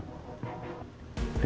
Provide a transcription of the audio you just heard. kalau kita bisa menjaga